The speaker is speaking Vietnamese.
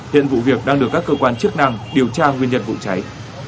hiện vụ việc đang được các cơ quan chức năng điều tra nguyên nhân vụ cháy